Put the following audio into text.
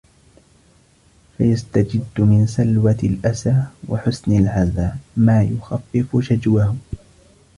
فَيَسْتَجِدَّ مِنْ سَلْوَةِ الْأَسَى وَحُسْنِ الْعَزَا مَا يُخَفِّفُ شَجْوَهُ